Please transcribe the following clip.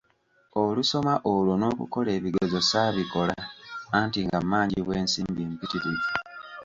Olusoma olwo n'okukola ebigezo, ssaabikola anti nga mmanjibwa ensimbi mpitirivu.